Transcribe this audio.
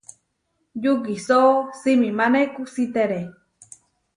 Yukisó simimáne kusítere.